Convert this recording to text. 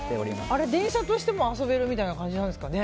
それは電車としても遊べるみたいな感じですかね。